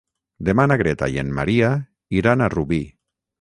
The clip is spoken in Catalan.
Demà na Greta i en Maria iran a Rubí.